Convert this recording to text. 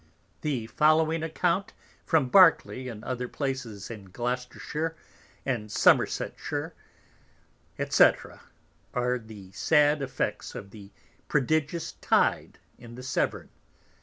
The following Account from Berkly and other Places in Gloucestershire and Somersetshire, &c. are the sad Effects of the prodigious Tide in the Severn.